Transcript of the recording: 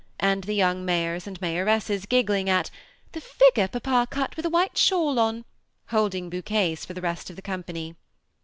and the yonng mayors and mayoresses giggling at the figure papa cut with a white shawl on," holding bouquets for the rest of the company.